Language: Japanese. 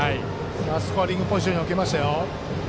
スコアリングポジションに置けましたよ。